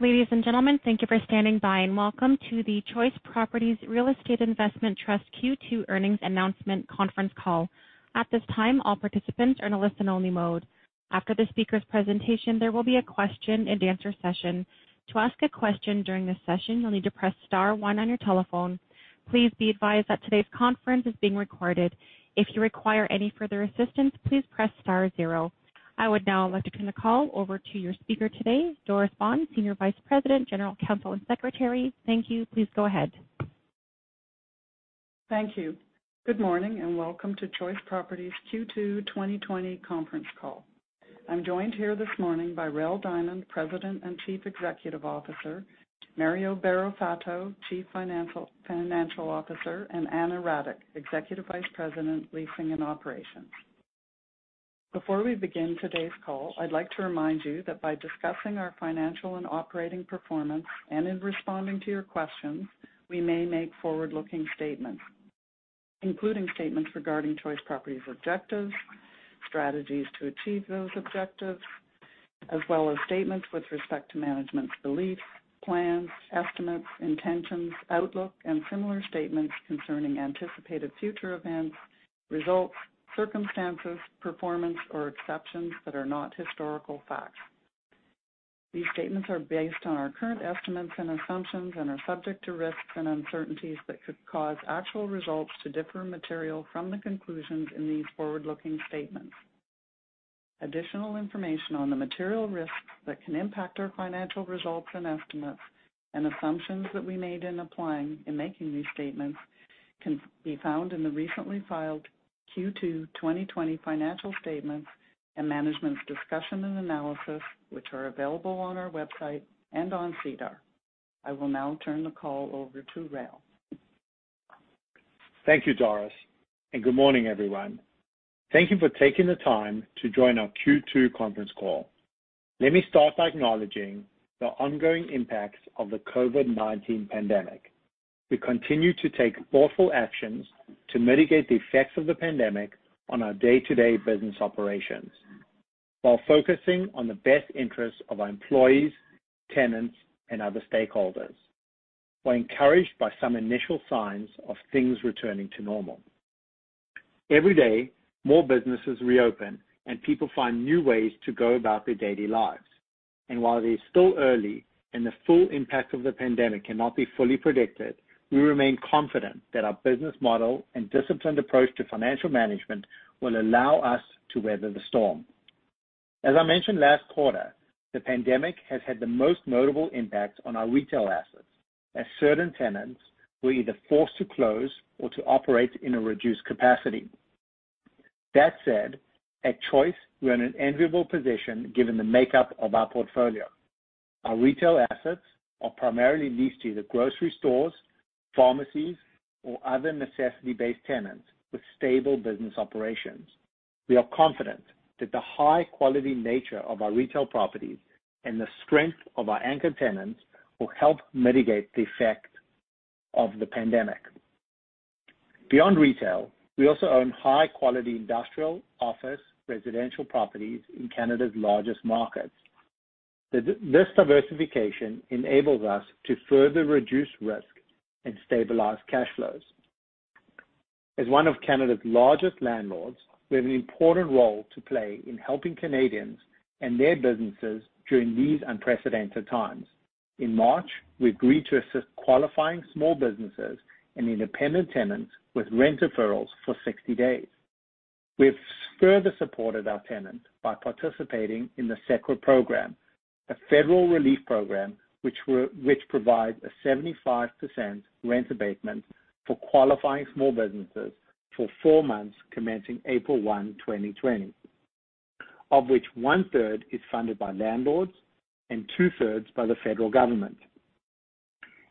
Ladies and gentlemen, thank you for standing by, and welcome to the Choice Properties Real Estate Investment Trust Q2 earnings announcement conference call. At this time, all participants are in a listen-only mode. After the speaker's presentation, there will be a question-and-answer session. To ask a question during this session, you'll need to press star one on your telephone. Please be advised that today's conference is being recorded. If you require any further assistance, please press star zero. I would now like to turn the call over to your speaker today, Doris Baughan, Senior Vice President, General Counsel, and Secretary. Thank you. Please go ahead. Thank you. Good morning, and welcome to Choice Properties Q2 2020 conference call. I'm joined here this morning by Rael Diamond, President and Chief Executive Officer, Mario Barrafato, Chief Financial Officer, and Ana Radic, Executive Vice President, Leasing and Operations. Before we begin today's call, I'd like to remind you that by discussing our financial and operating performance and in responding to your questions, we may make forward-looking statements, including statements regarding Choice Properties' objectives, strategies to achieve those objectives, as well as statements with respect to management's beliefs, plans, estimates, intentions, outlook, and similar statements concerning anticipated future events, results, circumstances, performance, or exceptions that are not historical facts. These statements are based on our current estimates and assumptions and are subject to risks and uncertainties that could cause actual results to differ material from the conclusions in these forward-looking statements. Additional information on the material risks that can impact our financial results and estimates and assumptions that we made in applying and making these statements can be found in the recently filed Q2 2020 financial statements and management's discussion and analysis, which are available on our website and on SEDAR. I will now turn the call over to Rael. Thank you, Doris, and good morning, everyone. Thank you for taking the time to join our Q2 conference call. Let me start by acknowledging the ongoing impacts of the COVID-19 pandemic. We continue to take thoughtful actions to mitigate the effects of the pandemic on our day-to-day business operations while focusing on the best interests of our employees, tenants, and other stakeholders. We're encouraged by some initial signs of things returning to normal. Every day, more businesses reopen, and people find new ways to go about their daily lives. While it is still early and the full impact of the pandemic cannot be fully predicted, we remain confident that our business model and disciplined approach to financial management will allow us to weather the storm. As I mentioned last quarter, the pandemic has had the most notable impact on our retail assets, as certain tenants were either forced to close or to operate in a reduced capacity. That said, at Choice, we are in an enviable position given the makeup of our portfolio. Our retail assets are primarily leased to either grocery stores, pharmacies, or other necessity-based tenants with stable business operations. We are confident that the high-quality nature of our retail properties and the strength of our anchor tenants will help mitigate the effect of the pandemic. Beyond retail, we also own high-quality industrial office residential properties in Canada's largest markets. This diversification enables us to further reduce risk and stabilize cash flows. As one of Canada's largest landlords, we have an important role to play in helping Canadians and their businesses during these unprecedented times. In March, we agreed to assist qualifying small businesses and independent tenants with rent deferrals for 60 days. We have further supported our tenants by participating in the CECRA program, a federal relief program which provides a 75% rent abatement for qualifying small businesses for four months commencing April 1, 2020, of which one-third is funded by landlords and two-thirds by the federal government.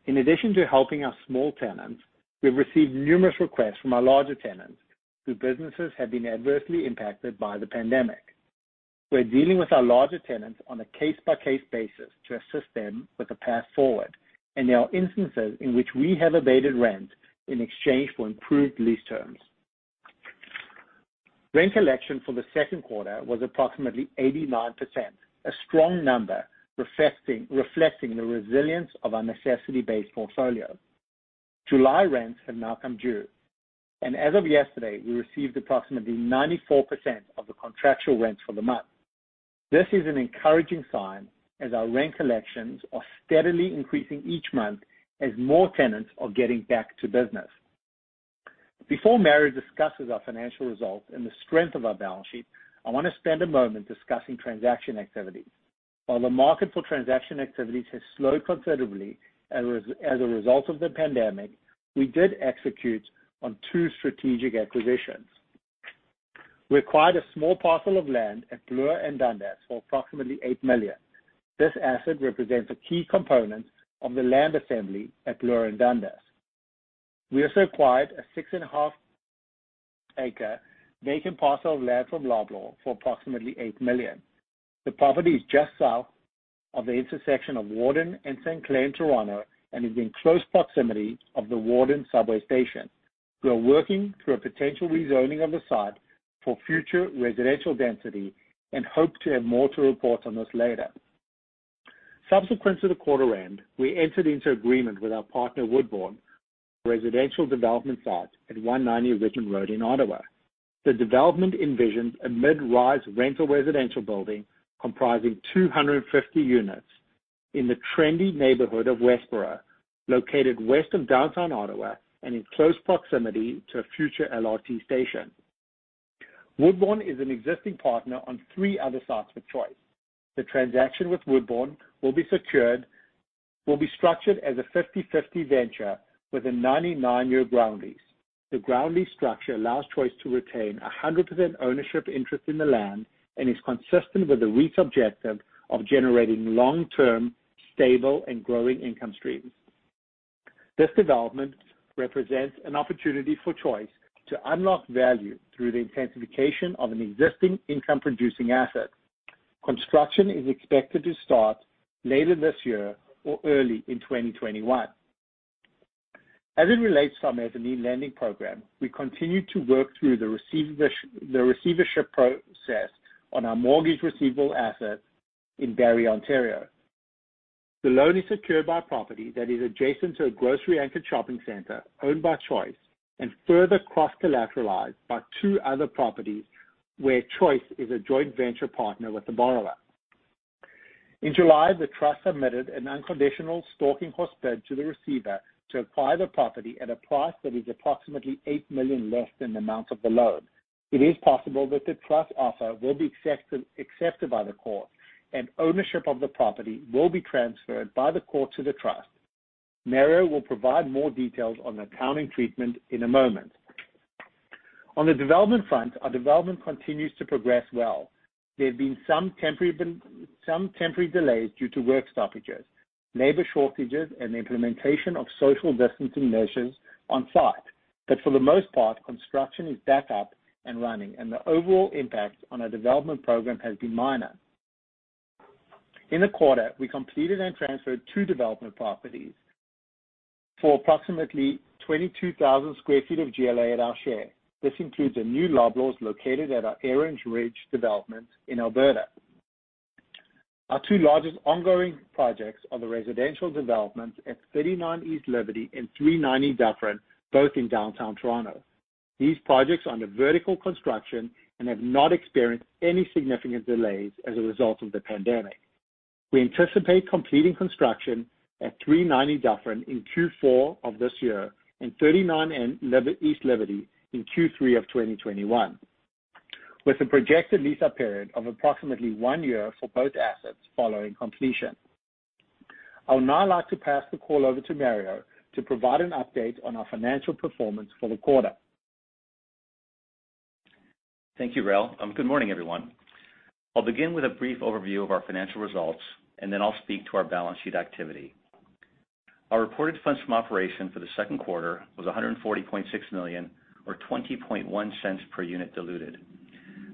In addition to helping our small tenants, we've received numerous requests from our larger tenants whose businesses have been adversely impacted by the pandemic. We're dealing with our larger tenants on a case-by-case basis to assist them with a path forward, and there are instances in which we have abated rent in exchange for improved lease terms. Rent collection for the second quarter was approximately 89%, a strong number reflecting the resilience of our necessity-based portfolio. July rents have now come due, and as of yesterday, we received approximately 94% of the contractual rents for the month. This is an encouraging sign as our rent collections are steadily increasing each month as more tenants are getting back to business. Before Mario discusses our financial results and the strength of our balance sheet, I want to spend a moment discussing transaction activity. While the market for transaction activities has slowed considerably as a result of the pandemic, we did execute on two strategic acquisitions. We acquired a small parcel of land at Bloor and Dundas for approximately 8 million. This asset represents a key component of the land assembly at Bloor and Dundas. We also acquired a six-and-a-half acre vacant parcel of land from Loblaw for approximately 8 million. The property is just south of the intersection of Warden and St. Clair in Toronto, and is in close proximity of the Warden subway station. We are working through a potential rezoning of the site for future residential density, hope to have more to report on this later. Subsequent to the quarter end, we entered into agreement with our partner, [Woodroffe], for a residential development site at 190 Richmond Road in Ottawa. The development envisions a mid-rise rental residential building comprising 250 units in the trendy neighborhood of Westboro, located west of downtown Ottawa and in close proximity to a future LRT station. [Woodroffe] is an existing partner on three other sites with Choice. The transaction with [Woodroffe] will be structured as a 50/50 venture with a 99-year ground lease. The ground lease structure allows Choice to retain 100% ownership interest in the land and is consistent with the REIT's objective of generating long-term, stable, and growing income streams. This development represents an opportunity for Choice to unlock value through the intensification of an existing income-producing asset. Construction is expected to start later this year or early in 2021. As it relates to our mezzanine lending program, we continue to work through the receivership process on our mortgage receivable asset in Barrie, Ontario. The loan is secured by property that is adjacent to a grocery-anchored shopping center owned by Choice and further cross-collateralized by two other properties where Choice is a joint venture partner with the borrower. In July, the trust submitted an unconditional stalking horse bid to the receiver to acquire the property at a price that is approximately 8 million less than the amount of the loan. It is possible that the trust offer will be accepted by the court, and ownership of the property will be transferred by the court to the trust. Mario will provide more details on the accounting treatment in a moment. On the development front, our development continues to progress well. There have been some temporary delays due to work stoppages, labor shortages, and the implementation of social distancing measures on site. For the most part, construction is back up and running, and the overall impact on our development program has been minor. In the quarter, we completed and transferred two development properties for approximately 22,000 sq ft of GLA at our share. This includes a new Loblaws located at our [Orange] Ridge development in Alberta. Our two largest ongoing projects are the residential developments at 39 East Liberty and 390 Dufferin, both in downtown Toronto. These projects are under vertical construction and have not experienced any significant delays as a result of the pandemic. We anticipate completing construction at 390 Dufferin in Q4 of this year and 39 East Liberty in Q3 of 2021, with a projected lease-up period of approximately one year for both assets following completion. I would now like to pass the call over to Mario to provide an update on our financial performance for the quarter. Thank you, Rael. Good morning, everyone. I'll begin with a brief overview of our financial results, and then I'll speak to our balance sheet activity. Our reported funds from operation for the second quarter was 140.6 million, or 0.201 per unit diluted.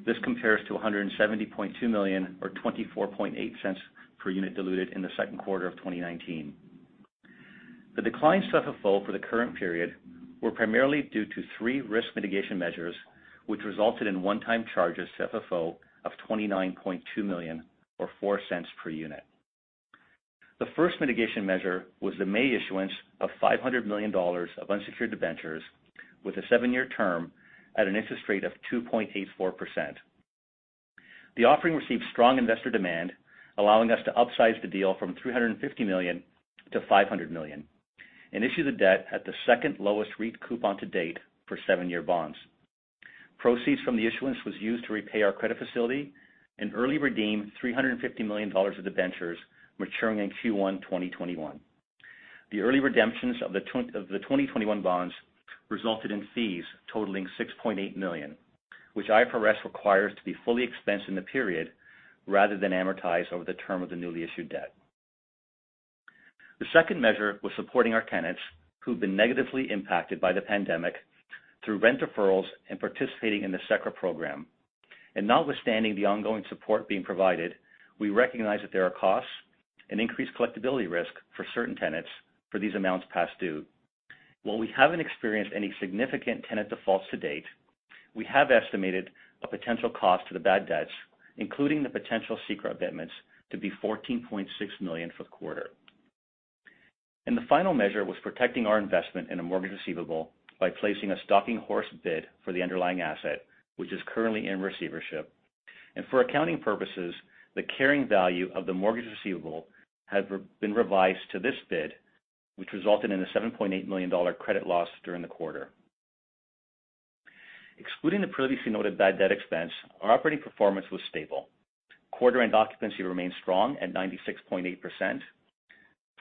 This compares to 170.2 million, or 0.248 per unit diluted in the second quarter of 2019. The declines to FFO for the current period were primarily due to three risk mitigation measures, which resulted in one-time charges to FFO of 29.2 million, or 0.04 per unit. The first mitigation measure was the May issuance of 500 million dollars of unsecured debentures with a 7-year term at an interest rate of 2.84%. The offering received strong investor demand, allowing us to upsize the deal from 350 million to 500 million and issue the debt at the second lowest REIT coupon to date for 7-year bonds. Proceeds from the issuance was used to repay our credit facility and early redeem 350 million dollars of debentures maturing in Q1 2021. The early redemptions of the 2021 bonds resulted in fees totaling 6.8 million, which IFRS requires to be fully expensed in the period rather than amortized over the term of the newly issued debt. The second measure was supporting our tenants who've been negatively impacted by the pandemic through rent deferrals and participating in the CECRA program. Notwithstanding the ongoing support being provided, we recognize that there are costs and increased collectibility risk for certain tenants for these amounts past due. While we haven't experienced any significant tenant defaults to date, we have estimated a potential cost to the bad debts, including the potential CECRA abatements, to be 14.6 million for the quarter. The final measure was protecting our investment in a mortgage receivable by placing a stalking horse bid for the underlying asset, which is currently in receivership. For accounting purposes, the carrying value of the mortgage receivable has been revised to this bid, which resulted in a 7.8 million dollar credit loss during the quarter. Excluding the previously noted bad debt expense, our operating performance was stable. Quarter-end occupancy remains strong at 96.8%,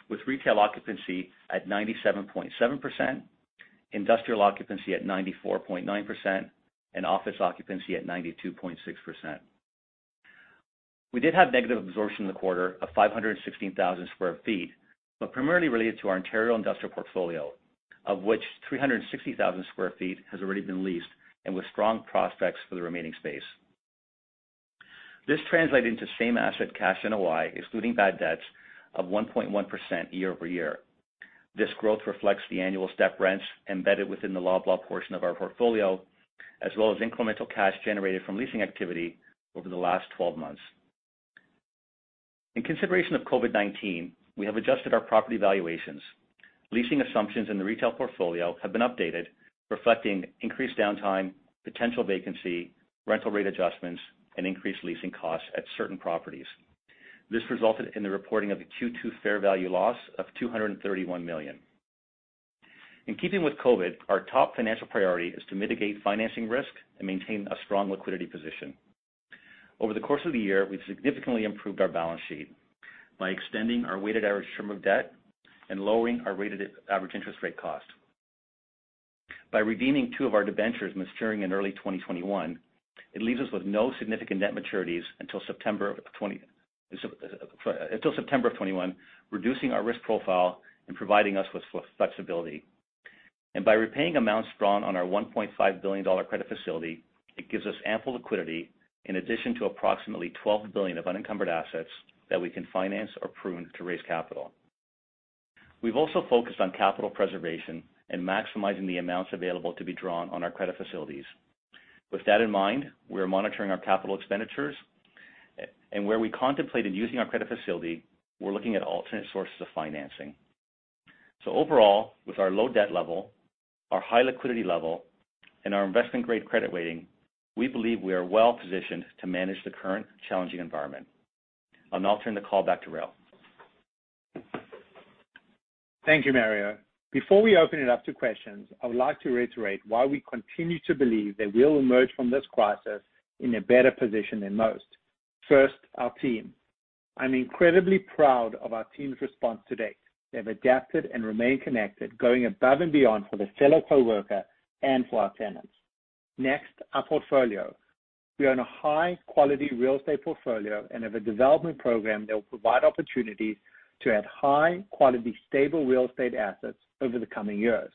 with retail occupancy at 97.7%, industrial occupancy at 94.9%, and office occupancy at 92.6%. We did have negative absorption in the quarter of 516,000 square feet, but primarily related to our Ontario industrial portfolio. Of which 360,000 square feet has already been leased, and with strong prospects for the remaining space. This translated into same asset cash NOI, excluding bad debts, of 1.1% year-over-year. This growth reflects the annual step rents embedded within the Loblaw portion of our portfolio, as well as incremental cash generated from leasing activity over the last 12 months. In consideration of COVID-19, we have adjusted our property valuations. Leasing assumptions in the retail portfolio have been updated, reflecting increased downtime, potential vacancy, rental rate adjustments, and increased leasing costs at certain properties. This resulted in the reporting of a Q2 fair value loss of 231 million. In keeping with COVID, our top financial priority is to mitigate financing risk and maintain a strong liquidity position. Over the course of the year, we've significantly improved our balance sheet by extending our weighted average term of debt and lowering our weighted average interest rate cost. By redeeming two of our debentures maturing in early 2021, it leaves us with no significant net maturities until September of 2021, reducing our risk profile and providing us with flexibility. By repaying amounts drawn on our 1.5 billion dollar credit facility, it gives us ample liquidity in addition to approximately 12 billion of unencumbered assets that we can finance or prune to raise capital. We've also focused on capital preservation and maximizing the amounts available to be drawn on our credit facilities. With that in mind, we are monitoring our capital expenditures, and where we contemplated using our credit facility, we're looking at alternate sources of financing. Overall, with our low debt level, our high liquidity level, and our investment-grade credit rating, we believe we are well-positioned to manage the current challenging environment. I'll now turn the call back to Rael. Thank you, Mario. Before we open it up to questions, I would like to reiterate why we continue to believe that we'll emerge from this crisis in a better position than most. First, our team. I'm incredibly proud of our team's response to date. They've adapted and remain connected, going above and beyond for their fellow coworker and for our tenants. Next, our portfolio. We own a high-quality real estate portfolio and have a development program that will provide opportunities to add high-quality, stable real estate assets over the coming years.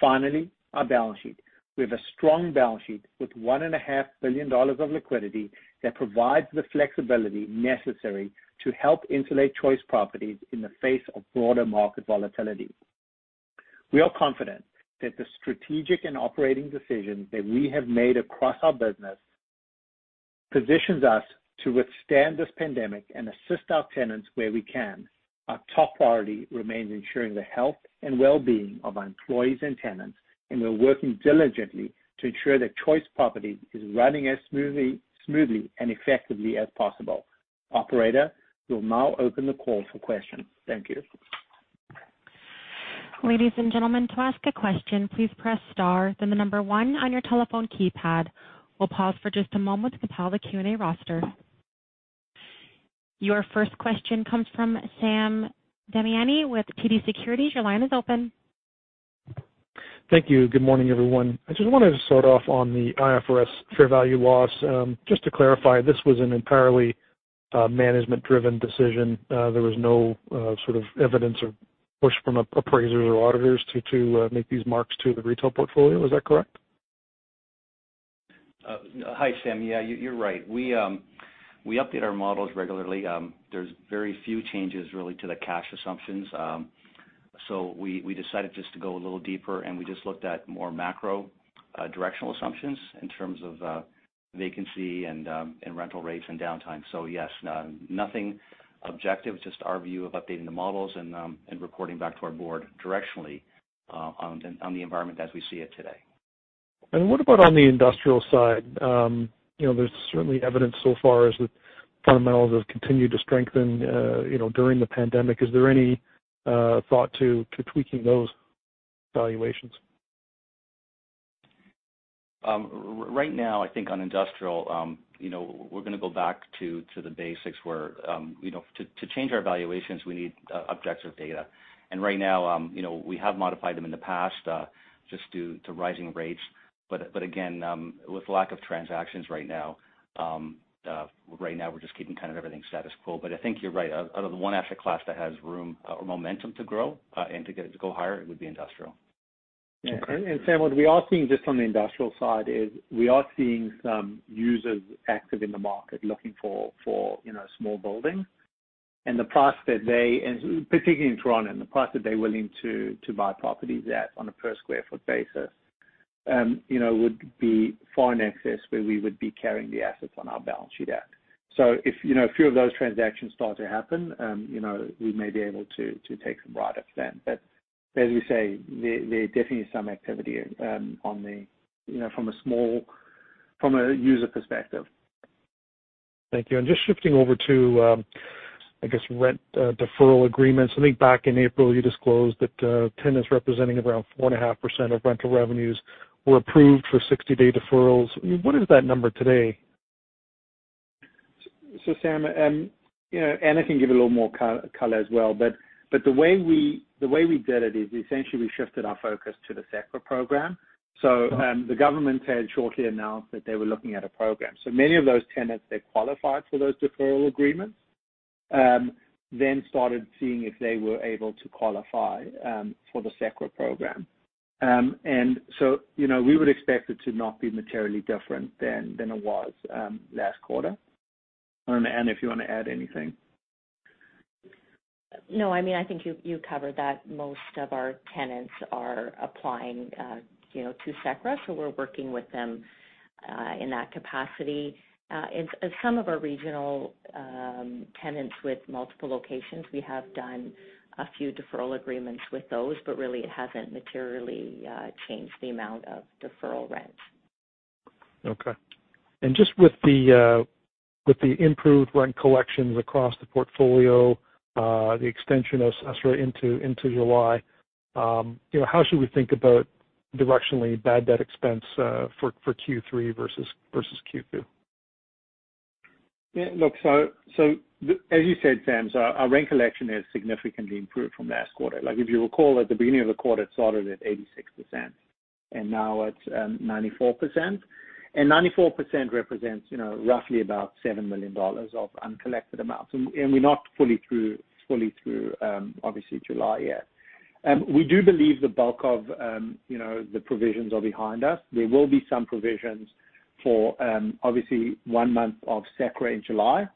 Finally, our balance sheet. We have a strong balance sheet with 1.5 billion dollars of liquidity that provides the flexibility necessary to help insulate Choice Properties in the face of broader market volatility. We are confident that the strategic and operating decisions that we have made across our business positions us to withstand this pandemic and assist our tenants where we can. Our top priority remains ensuring the health and wellbeing of our employees and tenants, and we're working diligently to ensure that Choice Properties is running as smoothly and effectively as possible. Operator, we'll now open the call for questions. Thank you. Ladies and gentlemen, to ask a question, please press star then the number one on your telephone keypad. We'll pause for just a moment to compile the Q&A roster. Your first question comes from Sam Damiani with TD Securities. Your line is open. Thank you. Good morning, everyone. I just wanted to start off on the IFRS fair value loss. Just to clarify, this was an entirely management-driven decision. There was no sort of evidence or push from appraisers or auditors to make these marks to the retail portfolio. Is that correct? Hi, Sam. Yeah, you're right. We update our models regularly. There's very few changes, really, to the cash assumptions. We decided just to go a little deeper, and we just looked at more macro directional assumptions in terms of vacancy and rental rates and downtime. Yes. Nothing objective, just our view of updating the models and reporting back to our board directionally on the environment as we see it today. What about on the industrial side? There's certainly evidence so far as the fundamentals have continued to strengthen during the pandemic. Is there any thought to tweaking those valuations? Right now, I think on industrial, we're going to go back to the basics where to change our valuations, we need objective data. Right now, we have modified them in the past just due to rising rates. Again, with the lack of transactions right now, we're just keeping kind of everything status quo. I think you're right. Out of the one asset class that has room or momentum to grow and to go higher, it would be industrial. Okay. Sam, what we are seeing just on the industrial side is we are seeing some users active in the market looking for small buildings. The price that they, particularly in Toronto, and the price that they're willing to buy properties at on a per square foot basis would be far in excess where we would be carrying the assets on our balance sheet at. If a few of those transactions start to happen, we may be able to take some write-ups then. As we say, there definitely is some activity from a user perspective. Thank you. Just shifting over to, I guess, rent deferral agreements. I think back in April, you disclosed that tenants representing around 4.5% of rental revenues were approved for 60-day deferrals. What is that number today? Sam, Ana can give a little more color as well. The way we did it is essentially we shifted our focus to the CECRA program. The government had shortly announced that they were looking at a program. Many of those tenants that qualified for those deferral agreements then started seeing if they were able to qualify for the CECRA program. We would expect it to not be materially different than it was last quarter. Ana, if you want to add anything. No, I think you covered that. Most of our tenants are applying to CECRA, so we're working with them in that capacity. Some of our regional tenants with multiple locations, we have done a few deferral agreements with those, but really it hasn't materially changed the amount of deferral rents. Just with the improved rent collections across the portfolio, the extension of CECRA into July, how should we think about directionally bad debt expense for Q3 versus Q2? Look, as you said, Sam, our rent collection has significantly improved from last quarter. If you recall, at the beginning of the quarter, it started at 86%, and now it's 94%. 94% represents roughly about 7 million dollars of uncollected amounts. We're not fully through, obviously, July yet. We do believe the bulk of the provisions are behind us. There will be some provisions for, obviously, one month of CECRA in July.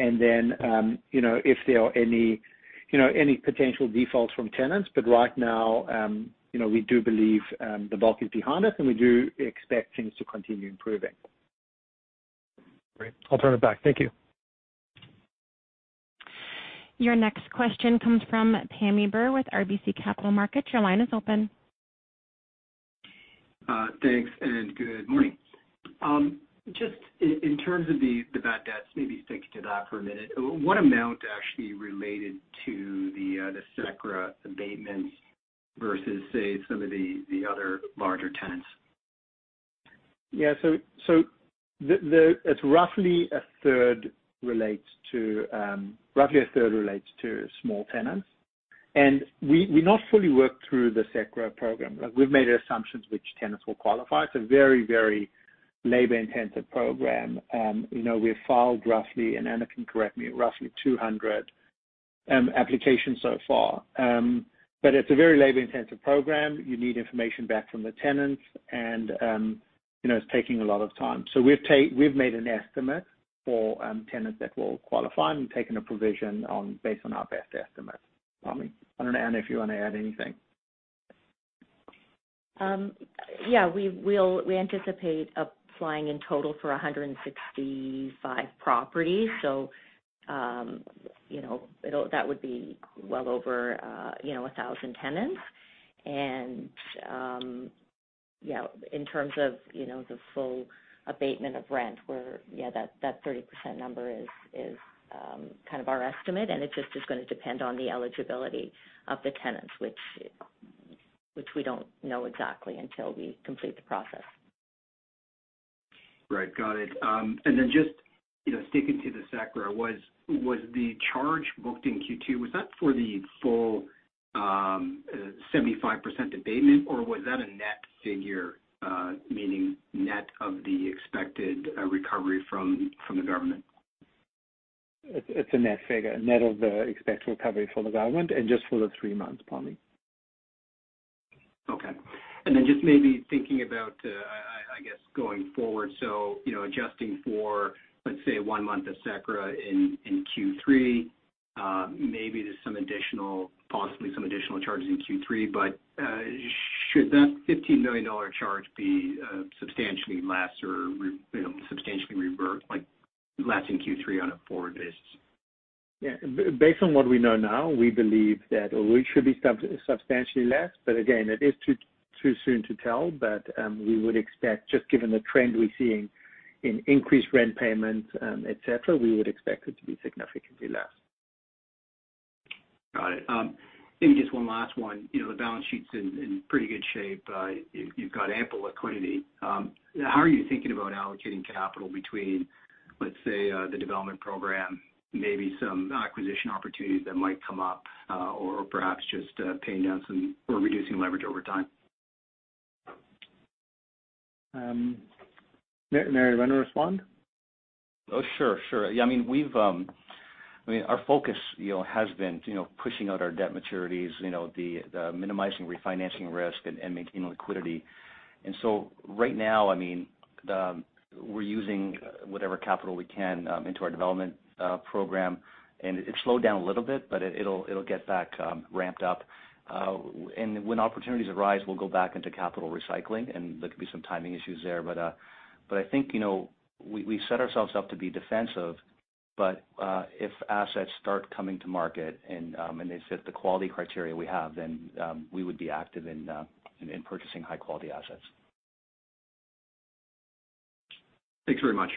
If there are any potential defaults from tenants, but right now, we do believe the bulk is behind us, and we do expect things to continue improving. Great. I'll turn it back. Thank you. Your next question comes from Pammi Bir with RBC Capital Markets. Your line is open. Thanks, and good morning. Just in terms of the bad debts, maybe sticking to that for a minute. What amount actually related to the CECRA abatements versus, say, some of the other larger tenants? Yeah. It's roughly a third relates to small tenants. We're not fully worked through the CECRA program. We've made assumptions which tenants will qualify. It's a very labor-intensive program. We've filed roughly, and Anna can correct me, roughly 200 applications so far. It's a very labor-intensive program. You need information back from the tenants, and it's taking a lot of time. We've made an estimate for tenants that will qualify, and we've taken a provision based on our best estimate. I don't know, Anna, if you want to add anything. Yeah. We anticipate applying in total for 165 properties, so that would be well over 1,000 tenants. In terms of the full abatement of rent, where that 30% number is kind of our estimate, and it just is going to depend on the eligibility of the tenants, which we don't know exactly until we complete the process. Right. Got it. Just sticking to the CECRA, was the charge booked in Q2, was that for the full 75% abatement, or was that a net figure, meaning net of the expected recovery from the government? It's a net figure, net of the expected recovery from the government, and just for the three months, probably. Okay. Just maybe thinking about, I guess, going forward, so adjusting for, let's say, one month of CECRA in Q3. Maybe there's possibly some additional charges in Q3. Should that 15 million dollar charge be substantially less or substantially revert, like less in Q3 on a forward basis? Yeah. Based on what we know now, we believe that it should be substantially less. Again, it is too soon to tell, but we would expect, just given the trend we're seeing in increased rent payments, et cetera, we would expect it to be significantly less. Got it. Maybe just one last one. The balance sheet's in pretty good shape. You've got ample liquidity. How are you thinking about allocating capital between, let's say, the development program, maybe some acquisition opportunities that might come up, or perhaps just paying down some, or reducing leverage over time? Mario, you want to respond? Oh, sure. Our focus has been pushing out our debt maturities, minimizing refinancing risk, and maintaining liquidity. Right now, we're using whatever capital we can into our development program, and it slowed down a little bit, but it'll get back ramped up. When opportunities arise, we'll go back into capital recycling, and there could be some timing issues there. I think we've set ourselves up to be defensive, but if assets start coming to market and they fit the quality criteria we have, then we would be active in purchasing high-quality assets. Thanks very much.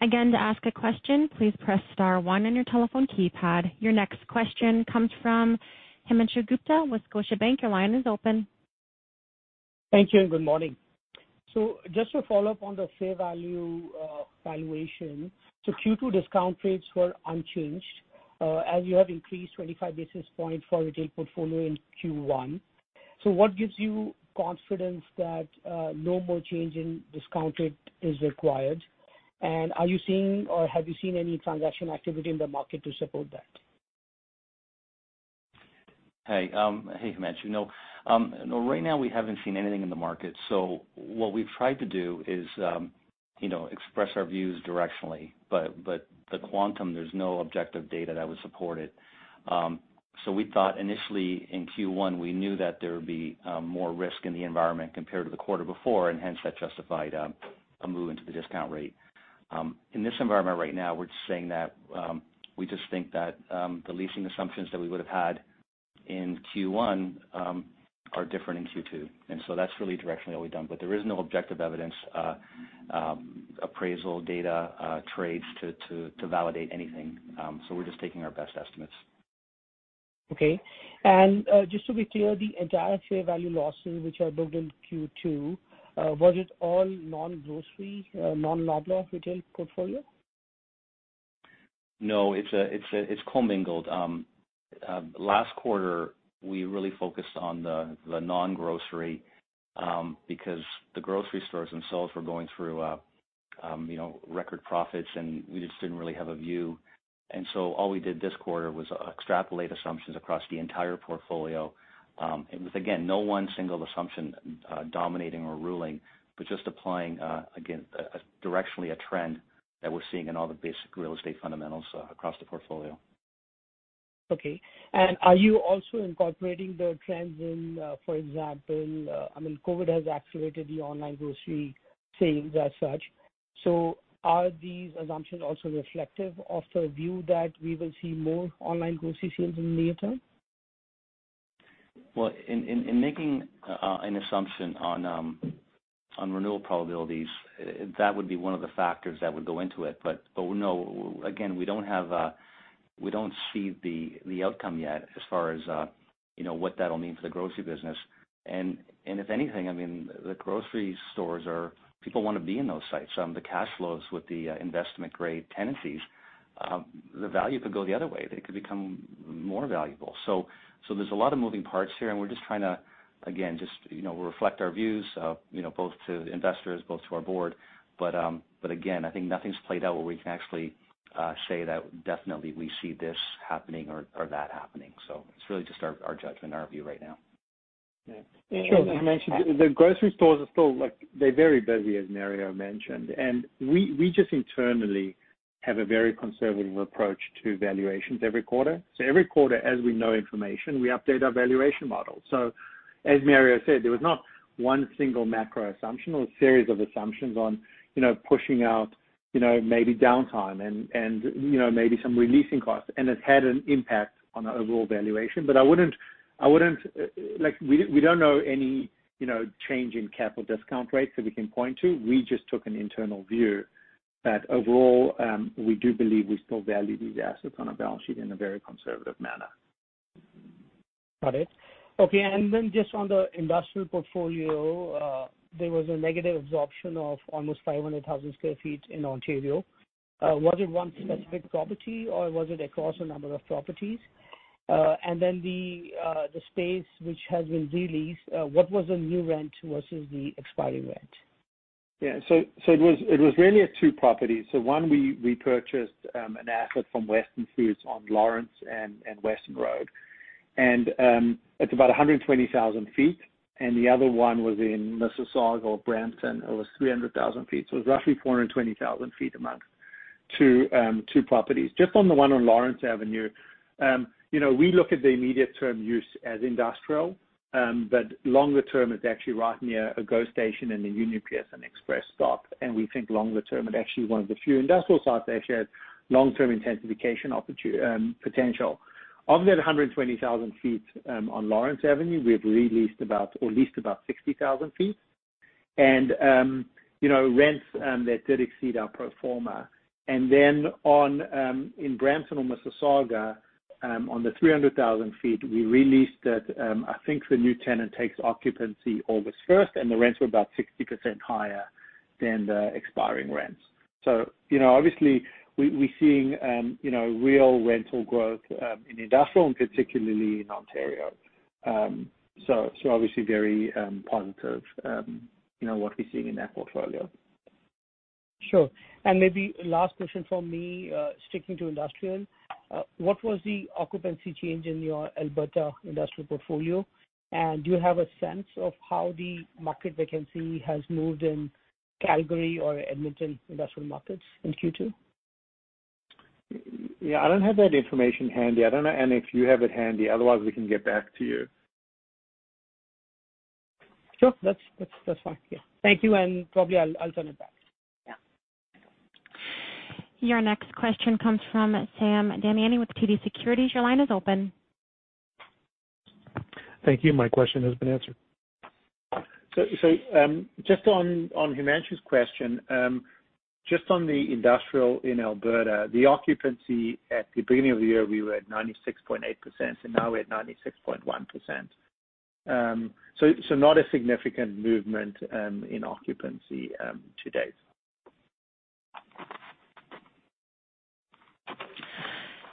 Again, to ask a question, please press star one on your telephone keypad. Your next question comes from Himanshu Gupta with Scotiabank. Your line is open. Thank you, and good morning. Just to follow up on the fair value valuation. Q2 discount rates were unchanged. As you have increased 25 basis point for retail portfolio in Q1. What gives you confidence that no more change in discount rate is required? Are you seeing, or have you seen any transaction activity in the market to support that? Hey, Himanshu. No. Right now we haven't seen anything in the market. What we've tried to do is express our views directionally. The quantum, there's no objective data that would support it. We thought initially in Q1, we knew that there would be more risk in the environment compared to the quarter before, and hence that justified a move into the discount rate. In this environment right now, we're just saying that, we just think that the leasing assumptions that we would've had in Q1 are different in Q2. That's really directionally what we've done. There is no objective evidence, appraisal, data, trades to validate anything. We're just taking our best estimates. Okay. Just to be clear, the entire share value losses which are booked in Q2, was it all non-grocery, non-Loblaw retail portfolio? No, it's co-mingled. Last quarter, we really focused on the non-grocery because the grocery stores themselves were going through record profits, and we just didn't really have a view. All we did this quarter was extrapolate assumptions across the entire portfolio. With, again, no one single assumption dominating or ruling, but just applying, again, directionally a trend that we're seeing in all the basic real estate fundamentals across the portfolio. Okay. Are you also incorporating the trends in, for example, I mean, COVID has accelerated the online grocery sales as such? Are these assumptions also reflective of the view that we will see more online grocery sales in the near term? Well, in making an assumption on renewal probabilities, that would be one of the factors that would go into it. No, again, we don't see the outcome yet as far as what that'll mean for the grocery business. If anything, the grocery stores people want to be in those sites. The cash flows with the investment grade tenancies, the value could go the other way. They could become more valuable. There's a lot of moving parts here, and we're just trying to, again, just reflect our views both to investors, both to our board. Again, I think nothing's played out where we can actually say that definitely we see this happening or that happening. It's really just our judgment, our view right now. Sure. As you mentioned, the grocery stores are still very busy, as Mario mentioned. We just internally have a very conservative approach to valuations every quarter. Every quarter, as we know information, we update our valuation model. As Mario said, there was not one single macro assumption or a series of assumptions on pushing out maybe downtime and maybe some re-leasing costs, and it had an impact on our overall valuation. We don't know any change in capital discount rates that we can point to. We just took an internal view that overall, we do believe we still value these assets on our balance sheet in a very conservative manner. Got it. Okay, just on the industrial portfolio, there was a negative absorption of almost 500,000 sq ft in Ontario. Was it one specific property, or was it across a number of properties? The space which has been re-leased, what was the new rent versus the expiring rent? Yeah. It was really two properties. One, we repurchased an asset from Weston Foods on Lawrence and Weston Road, and it's about 120,000 feet. The other one was in Mississauga or Brampton. It was 300,000 feet. It was roughly 420,000 feet among, two properties. Just on the one on Lawrence Avenue. We look at the immediate term use as industrial, but longer term, it's actually right near a GO station and a Union Pearson Express stop. We think longer term, it actually is one of the few industrial sites that actually has long-term intensification potential. Of that 120,000 feet on Lawrence Avenue, we have re-leased about, or leased about 60,000 feet. Rents that did exceed our pro forma. In Brampton or Mississauga, on the 300,000 feet, we re-leased it. I think the new tenant takes occupancy August 1st, and the rents were about 60% higher than the expiring rents. Obviously we're seeing real rental growth in industrial and particularly in Ontario. Obviously very positive what we're seeing in that portfolio. Sure. Maybe last question from me, sticking to industrial. What was the occupancy change in your Alberta industrial portfolio? Do you have a sense of how the market vacancy has moved in Calgary or Edmonton industrial markets in Q2? Yeah, I don't have that information handy. I don't know, Anna, if you have it handy. Otherwise, we can get back to you. Sure. That's fine. Yeah. Thank you, and probably I'll turn it back. Yeah. Your next question comes from Sam Damiani with TD Securities. Your line is open. Thank you. My question has been answered. Just on Himanshu's question, just on the industrial in Alberta, the occupancy at the beginning of the year, we were at 96.8%, and now we're at 96.1%. Not a significant movement in occupancy to date.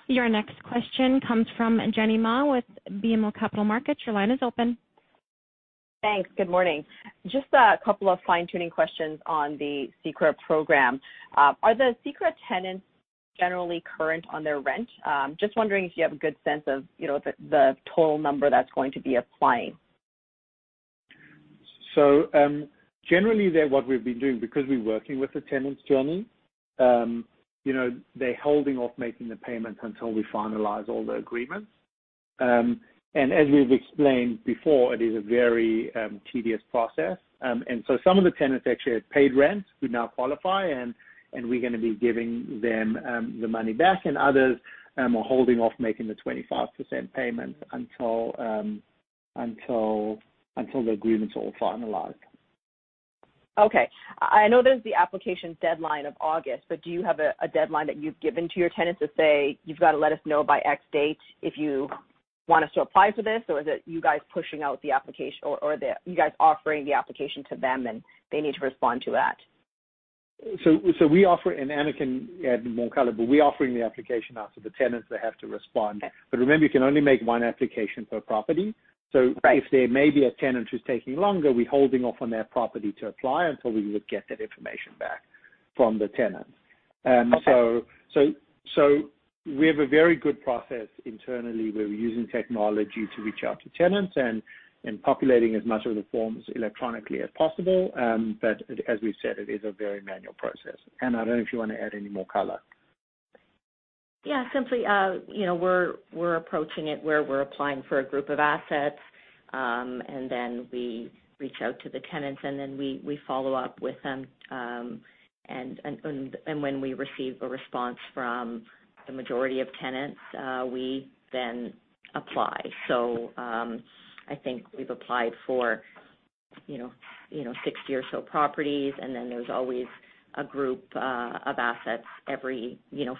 Your next question comes from Jenny Ma with BMO Capital Markets. Your line is open. Thanks. Good morning. Just a couple of fine-tuning questions on the CECRA program. Are the CECRA tenants generally current on their rent? Just wondering if you have a good sense of the total number that's going to be applying? Generally, what we've been doing, because we're working with the tenants, Jenny, they're holding off making the payments until we finalize all the agreements. As we've explained before, it is a very tedious process. Some of the tenants actually have paid rent who now qualify, and we're going to be giving them the money back, and others are holding off making the 25% payment until the agreements are all finalized. Okay. I know there's the application deadline of August. Do you have a deadline that you've given to your tenants to say, "You've got to let us know by X date if you want us to apply for this?" Is it you guys pushing out the application or you guys offering the application to them, and they need to respond to that? We offer, and Anna can add more color, but we're offering the application out to the tenants. They have to respond. Okay. Remember, you can only make one application per property. Right. If there may be a tenant who's taking longer, we're holding off on their property to apply until we get that information back from the tenants. Okay. We have a very good process internally, where we're using technology to reach out to tenants and populating as much of the forms electronically as possible. As we've said, it is a very manual process. Anna, I don't know if you want to add any more color. Simply, we're approaching it where we're applying for a group of assets, and then we reach out to the tenants, and then we follow up with them. When we receive a response from the majority of tenants, we then apply. I think we've applied for 60 or so properties, and then there's always a group of assets every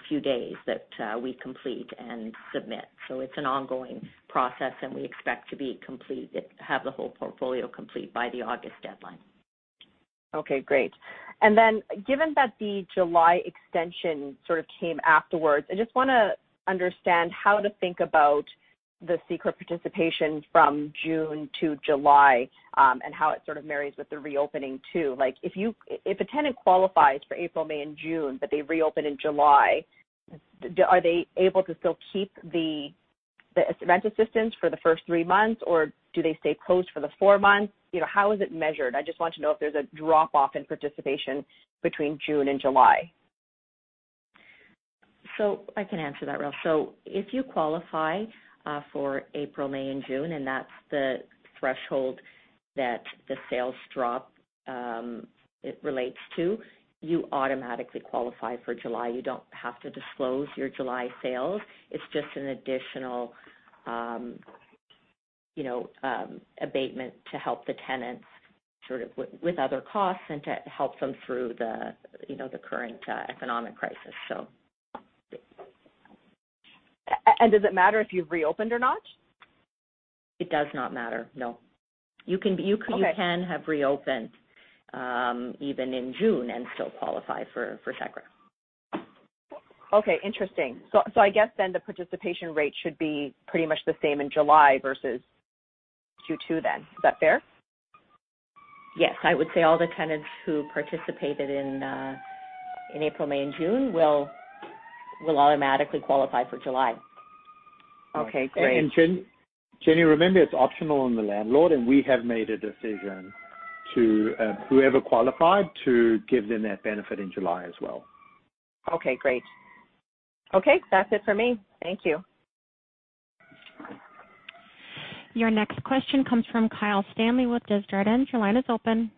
few days that we complete and submit. It's an ongoing process, and we expect to have the whole portfolio complete by the August deadline. Okay, great. Given that the July extension sort of came afterwards, I just want to understand how to think about the CECRA participation from June to July and how it sort of marries with the reopening, too. If a tenant qualifies for April, May, and June, but they reopen in July, are they able to still keep the rent assistance for the first three months, or do they stay closed for the four months? How is it measured? I just want to know if there's a drop-off in participation between June and July. I can answer that, Rael. If you qualify for April, May, and June, and that's the threshold that the sales drop relates to, you automatically qualify for July. You don't have to disclose your July sales. It's just an additional abatement to help the tenants sort of with other costs and to help them through the current economic crisis. Does it matter if you've reopened or not? It does not matter, no. Okay. You can have reopened even in June and still qualify for CECRA. Okay, interesting. I guess then the participation rate should be pretty much the same in July versus Q2 then. Is that fair? Yes. I would say all the tenants who participated in April, May, and June will automatically qualify for July. Okay, great. Jenny, remember, it's optional on the landlord, and we have made a decision to, whoever qualified, to give them that benefit in July as well. Okay, great. Okay, that's it for me. Thank you. Your next question comes from Kyle Stanley with Desjardins. Your line is open.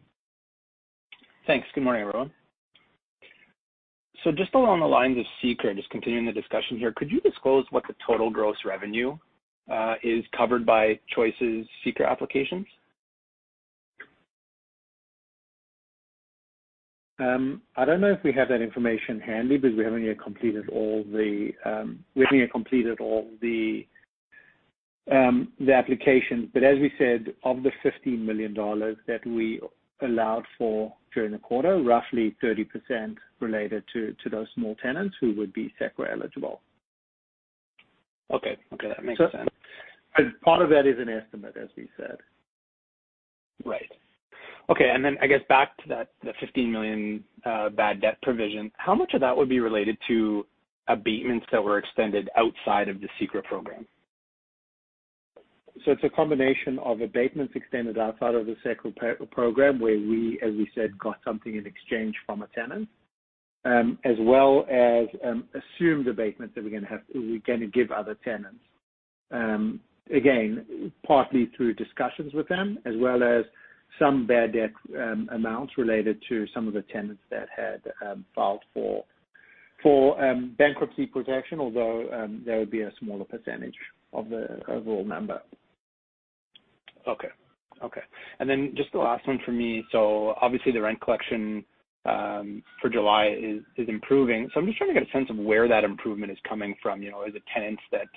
Thanks. Good morning, everyone. Just along the lines of CECRA, just continuing the discussion here, could you disclose what the total gross revenue is covered by Choice's CECRA applications? I don't know if we have that information handy because we haven't yet completed all the applications. As we said, of the 15 million dollars that we allowed for during the quarter, roughly 30% related to those small tenants who would be CECRA eligible. Okay. That makes sense. Part of that is an estimate, as we said. Right. Okay. I guess back to that, the 15 million bad debt provision, how much of that would be related to abatements that were extended outside of the CECRA program? It's a combination of abatements extended outside of the CECRA program, where we, as we said, got something in exchange from a tenant, as well as assumed abatements that we're going to give other tenants. Again, partly through discussions with them as well as some bad debt amounts related to some of the tenants that had filed for bankruptcy protection, although that would be a smaller percentage of the overall number. Okay. Just the last one for me. Obviously, the rent collection for July is improving. I'm just trying to get a sense of where that improvement is coming from. Is it tenants that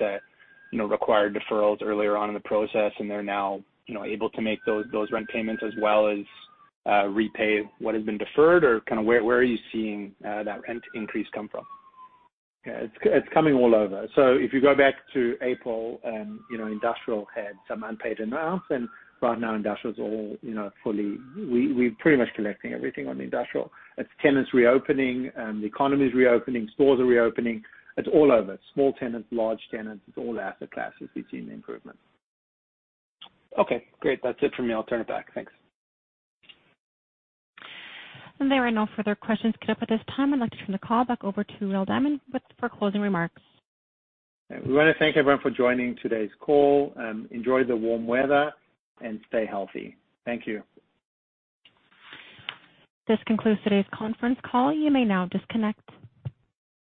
required deferrals earlier on in the process and they're now able to make those rent payments as well as repay what has been deferred? Where are you seeing that rent increase come from? Yeah. It's coming all over. If you go back to April, Industrial had some unpaid amounts, and right now Industrial's all fully, we're pretty much collecting everything on Industrial. It's tenants reopening. The economy's reopening. Stores are reopening. It's all over. Small tenants, large tenants, it's all asset classes we're seeing the improvement. Okay, great. That's it for me. I'll turn it back. Thanks. There are no further questions queued up at this time. I'd like to turn the call back over to Rael Diamond for closing remarks. We want to thank everyone for joining today's call. Enjoy the warm weather and stay healthy. Thank you. This concludes today's conference call. You may now disconnect.